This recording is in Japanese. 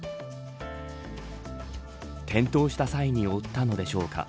転倒した際に負ったのでしょうか